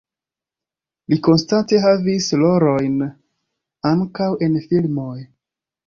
Li konstante havis rolojn ankaŭ en filmoj.